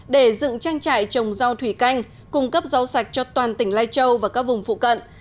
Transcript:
để dựng trang trại trồng rau thủy canh cung cấp rau sạch cho toàn tỉnh lai châu và các vùng phụ cận